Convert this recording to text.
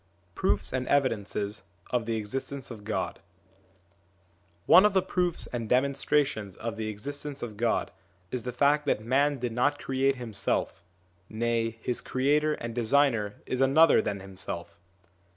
II PROOFS AND EVIDENCES OF THE EXISTENCE OF GOD ONE of the proofs and demonstrations of the existence of God, is the fact that man did not create himself: nay, his creator and designer is another than himself.